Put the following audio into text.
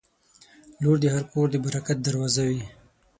• لور د هر کور د برکت دروازه وي.